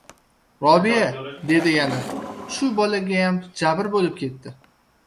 Robiya... - dedim yana. - Shu bolagayam jabr bo‘lib ketdi.